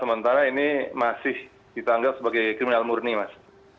sementara ini masih ditanggap sebagai kriminal murni mas